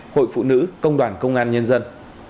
hội phụ nữ công đoàn công an nhân dân